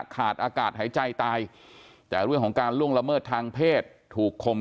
ขาดอากาศหายใจตายแต่เรื่องของการล่วงละเมิดทางเพศถูกคม